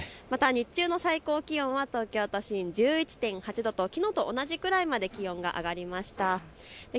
日中の最高気温は１１．８度ときのうと同じくらいまで気温が上がりました。